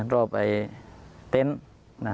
รอบไอ้เต็นต์